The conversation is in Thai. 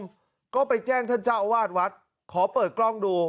และกลุ่มผู้ชมก็ไปแจ้งท่านเจ้าอวาสวัสขอเปิดกล้องดู